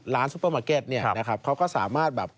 ร้านซูเปอร์มาร์เก็ตเขาก็สามารถ